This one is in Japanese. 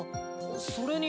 それに。